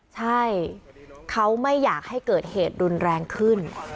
ใช่เขาไม่อยากให้เกิดเหตุรุนแรงขึ้น